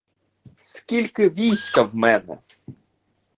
Скільки війська в мене?